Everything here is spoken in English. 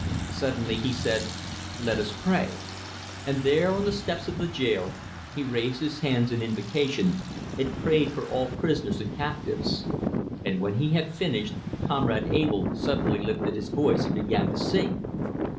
Suddenly he said, "Let us pray;" and there on the steps of the jail he raised his hands in invocation, and prayed for all prisoners and captives. And when he finished, Comrade Abell suddenly lifted his voice and began to sing.